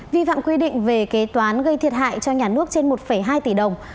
vi phạm quy định về kế toán gây thiệt hại cho nhà nước trên một hai tỷ đồng